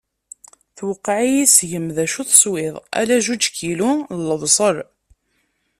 Tuqeɛ-iyi seg-m! D acu teswiḍ, ala juǧ kilu n lebṣel.